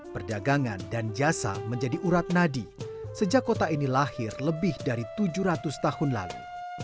perdagangan dan jasa menjadi urat nadi sejak kota ini lahir lebih dari tujuh ratus tahun lalu